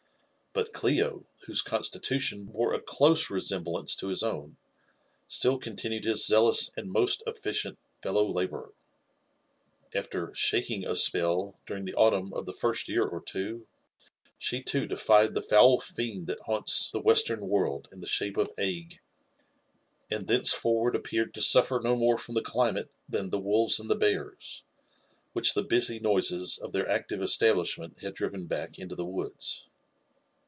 But CIi6, whose constitution bore a clofe resemblance to hii own, still continued his zeafous ate<f most efficieht felloW Iabourei'. After ^* shaking a spell" during the antmim of flte first year ot two, she teo defied the foul fi^nd tfha^ bannts the western worfd in the shape of ague, and thenceforward appeared to suffer no more from the climate than (be wolves and the bears, which the busy noises of their activd esCabf ishment had driven back into the wood».